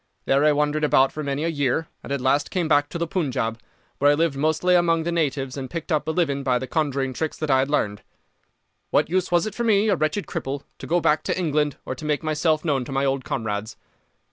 There I wandered about for many a year, and at last came back to the Punjab, where I lived mostly among the natives and picked up a living by the conjuring tricks that I had learned. What use was it for me, a wretched cripple, to go back to England or to make myself known to my old comrades?